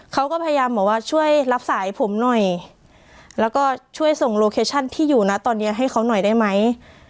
เขาก็พยายามบอกว่าช่วยรับสายผมหน่อยแล้วก็ช่วยส่งโลเคชั่นที่อยู่นะตอนนี้ให้เขาหน่อยได้ไหม